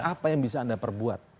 apa yang bisa anda perbuat